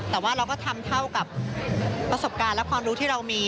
แต่ว่าเราก็ทำเท่ากับประสบการณ์และความรู้ที่เรามี